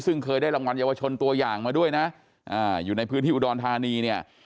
ซึ่งเคยได้รางวัลเยาวชนตัวอย่างมาด้วยนะอยู่ในพื้นที่อุดรธานีเนี่ย